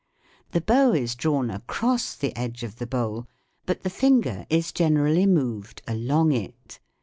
The bow is drawn across the edge of the bowl, but the finger is generally moved along it.